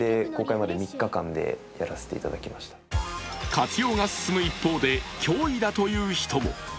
活用が進む一方で脅威だという人も。